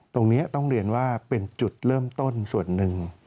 ตรงนี้ต้องเรียนว่าเป็นจุดเริ่มต้นส่วนหนึ่ง